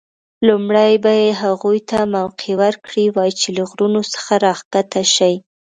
لومړی به یې هغوی ته موقع ورکړې وای چې له غرونو څخه راښکته شي.